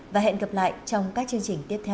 và hẹn gặp lại trong các chương trình tiếp theo